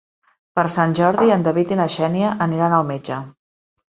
Per Sant Jordi en David i na Xènia aniran al metge.